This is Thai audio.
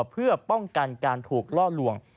เพื่อป้องกันการถูกล่อลวง